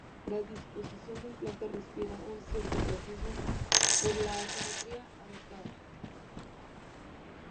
La disposición en planta respira un cierto clasicismo, por la simetría adoptada.